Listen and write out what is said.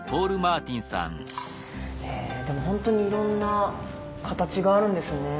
えでも本当にいろんな形があるんですね。